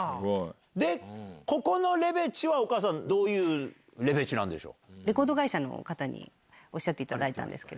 でここのレベチはお母さんどういうレベチなんでしょう？